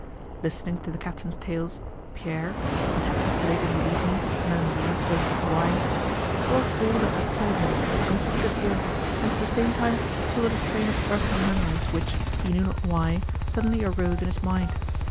Listening to the captain's tales, Pierre—as often happens late in the evening and under the influence of wine—followed all that was told him, understood it all, and at the same time followed a train of personal memories which, he knew not why, suddenly arose in his mind.